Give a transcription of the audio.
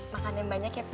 makan yang banyak ya pi